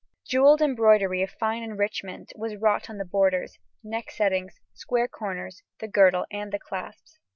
Jewelled embroidery of fine enrichment was wrought on the borders, neck settings, square corners, the girdle, and the clasps.